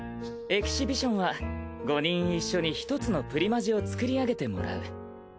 エキシビションは５人一緒に１つのプリマジを作り上げてもらう。